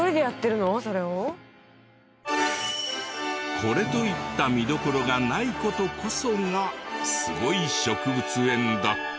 これといった見どころがない事こそがすごい植物園だった。